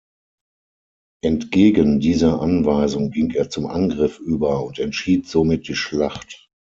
Entgegen dieser Anweisung ging er zum Angriff über und entschied somit die Schlacht.